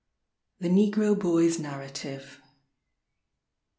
_The Negro Boy's Narrative.